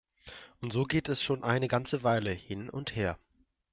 Und so geht es schon eine ganze Weile hin und her.